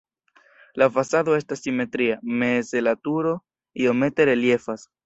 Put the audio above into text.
La fasado estas simetria, meze la turo iomete reliefas.